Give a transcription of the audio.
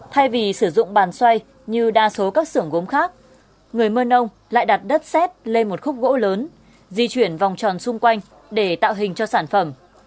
thay vì sử dụng bàn xoay như đa số các xưởng gốm khác người mơ nông lại đặt đất xét lên một khúc gỗ lớn di chuyển vòng tròn xung quanh để tạo hình cho sản phẩm